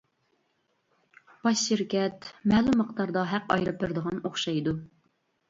باش شىركەت مەلۇم مىقداردا ھەق ئايرىپ بېرىدىغان ئوخشايدۇ.